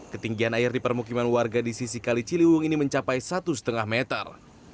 ketinggian air di permukiman warga di sisi kali ciliwung ini mencapai satu lima meter